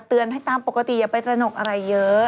เตือนให้ตามปกติอย่าไปตระหนกอะไรเยอะ